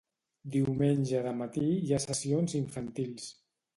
Diumenge de matí hi ha sessions infantils.